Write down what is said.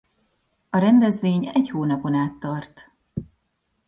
A rendezvény egy hónapon át tart.